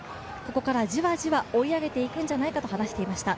ここからじわじわ追い上げていくんじゃないかと話していました。